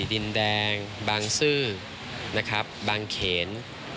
ดินแดงบางซื้อบางเขน